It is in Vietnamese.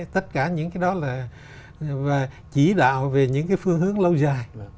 tất cả những cái đó là chỉ đạo về những cái phương hướng lâu dài